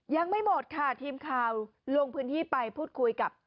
ยังไม่หมดค่ะทีมข่าวลงพื้นที่ไปพูดคุยกับ